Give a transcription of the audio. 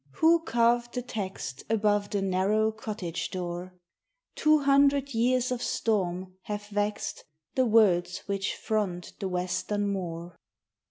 Who carved the text Above the narrow cottage door? Two hundred years of storm have vexed The words which front the western moor.